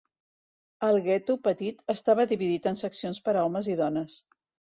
El gueto petit estava dividit en seccions per a homes i dones.